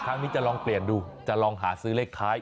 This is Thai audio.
ครั้งนี้จะลองเปลี่ยนดูจะลองหาซื้อเลขท้าย